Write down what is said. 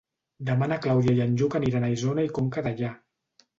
Demà na Clàudia i en Lluc aniran a Isona i Conca Dellà.